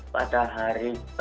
pada hari ke empat